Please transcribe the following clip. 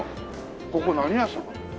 ここ何屋さん？